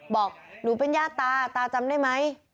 บอกหนูเป็นญาติตาตาจำได้ไหม